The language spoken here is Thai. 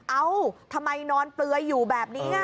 เอ้าทำไมนอนเปลือยอยู่แบบนี้